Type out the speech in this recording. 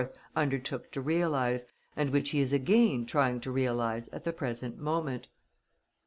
undertook to realize, and which he is again trying to realize at the present moment.